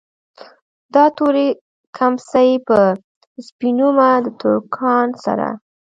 دا تورې کمڅۍ به سپينومه د ترکان سره